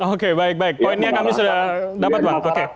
oke baik baik poinnya kami sudah dapat bang